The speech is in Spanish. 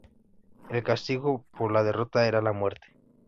El castigo por la derrota era la muerte.